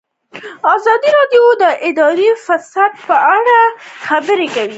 ازادي راډیو د اداري فساد پر اړه مستند خپرونه چمتو کړې.